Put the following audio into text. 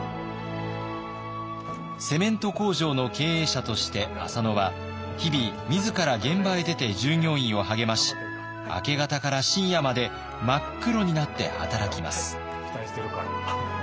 セメント工場の経営者として浅野は日々自ら現場へ出て従業員を励まし明け方から深夜まで真っ黒になって働きます。